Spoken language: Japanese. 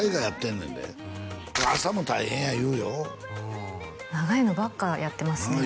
んで朝も大変や言うよ長いのばっかやってますね